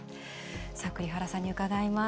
栗原さんに伺います。